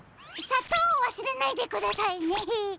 さとうをわすれないでくださいね。